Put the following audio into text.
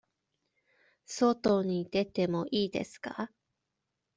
外に出てもいいですか。